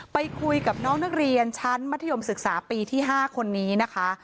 ไปคุยกับน้องนักเรียนชั้นมัธยมศึกษาปีที่๕คนนี้นะคะ